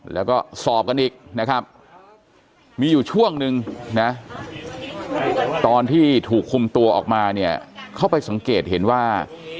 แล้วก็สอบกันอีกนะครับมีอยู่ช่วงนึงนะตอนที่ถูกคุมตัวออกมาเนี่ยเขาไปสังเกตเห็นว่า